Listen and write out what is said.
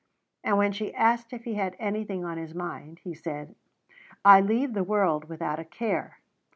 And when she asked if he had anything on his mind, he said: "I leave the world without a care.